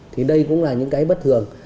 thì đây cũng là những cái bất thường